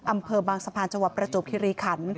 อำเภอบางสะพานจประจบฮิริขันต์